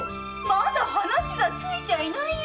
まだ話がついちゃいないよ。